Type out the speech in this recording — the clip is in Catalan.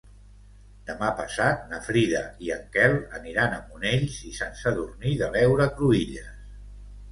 Demà passat na Frida i en Quel aniran a Monells i Sant Sadurní de l'Heura Cruïlles.